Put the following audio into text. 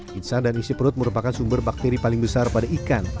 pizza dan isi perut merupakan sumber bakteri paling besar pada ikan